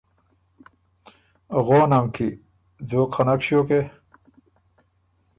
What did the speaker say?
غونه م کی ځوک خه نک ݭیوکې؟